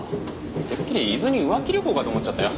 てっきり伊豆に浮気旅行かと思っちゃったよ。